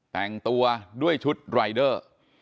แต่งตัวด้วยชุดรายเดอร์